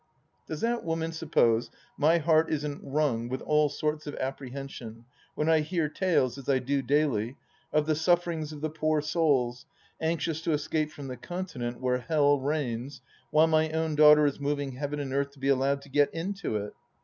Does that woman suppose my heart isn't wnmg with all sorts of apprehensions when I hear tales, as I do daily, of the sufferings of the poor souls anxious to escape from the Continent, where Hell reigns, while my own daughter is moving Heaven and Earth to be allowed to get into it